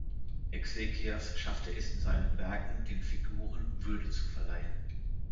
Exekias schafft es in seinen Werken, den Figuren Würde zu verleihen.